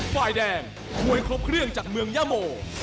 ฝ่ายแดงมวยครบเครื่องจากเมืองยะโม